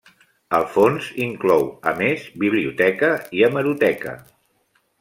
El fons inclou, a més biblioteca i hemeroteca.